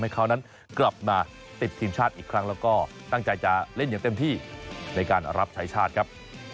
ให้เขานั้นกลับมาติดทีมชาติอีกครั้งแล้วก็ตั้งใจจะเล่นอย่างเต็มที่ในการรับใช้ชาติครับ